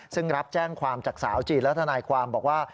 ซึ่งรับแจ้งความจากสาวจีนและทนายความบอกว่า